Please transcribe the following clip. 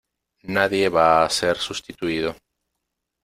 Nadie va a ser sustituido.